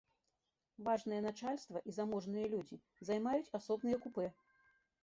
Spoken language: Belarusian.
Важнае начальства і заможныя людзі займаюць асобныя купэ.